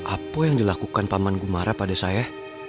apa yang dilakukan paman gumara pada saya